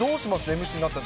ＭＣになったら。